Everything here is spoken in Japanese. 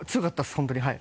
本当にはい。